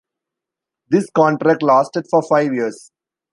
This contract lasted for five years.